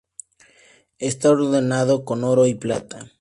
Está adornado con oro y plata.